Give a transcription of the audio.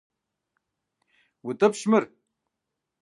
УтӀыпщ мыр!